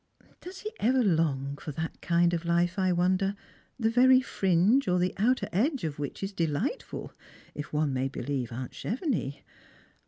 Does he ever long for that kind of life, I wonder, the very fringe or outer edge of which is> delightful, if one may believe aunt Chevenix?